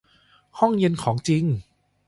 ห้องเย็นของจริง